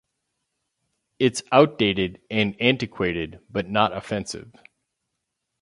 It's outdated and antiquated but not offensive.